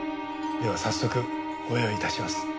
では早速ご用意致します。